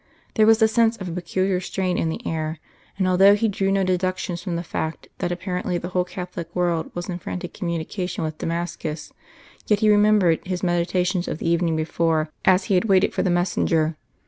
There was the sense of a peculiar strain in the air, and although he drew no deductions from the fact that apparently the whole Catholic world was in frantic communication with Damascus, yet he remembered his meditations of the evening before as he had waited for the messenger.